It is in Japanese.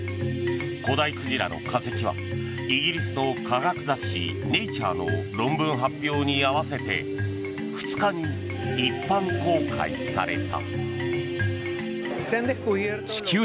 古代鯨の化石はイギリスの科学雑誌「ネイチャー」の論文発表に合わせて２日に一般公開された。